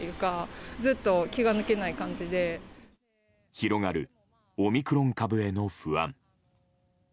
広がる、オミクロン株への不安。